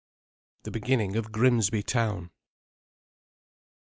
THE BEGINNING OF GRIMSBY TOWN.